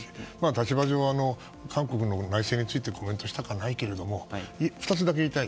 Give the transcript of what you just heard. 立場上、韓国の内政についてコメントしたくはないけど２つだけ言いたい。